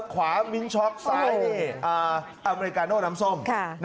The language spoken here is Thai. ขวามิ้นช็อกซ้ายนี่อเมริกาโน่น้ำส้ม